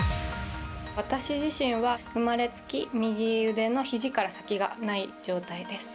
私自身は生まれつき右腕のひじから先がない状態です。